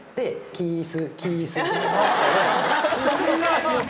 キス！